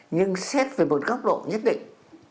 nhưng xét về một góc độ nhất định